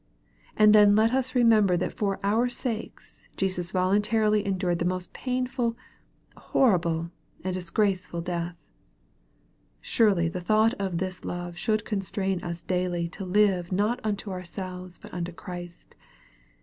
And then let us remember that for our sakes Jesus voluntarily eii dured the most painful, horrible, and disgraceful death. Surely the thought of this love should constrain us daily to live not unto ourselves, but unto Christ.